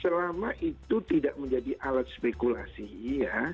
selama itu tidak menjadi alat spekulasi ya